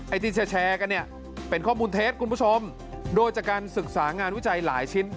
ที่แชร์กันเนี่ยเป็นข้อมูลเท็จคุณผู้ชมโดยจากการศึกษางานวิจัยหลายชิ้น